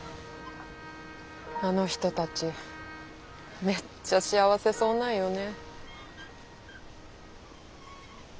あの人たちめっちゃ幸せそうなんよね。